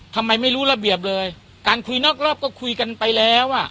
ทำไมไม่รู้ระเบียบเลยการคุยนอกรอบก็คุยกันไปแล้วอ่ะ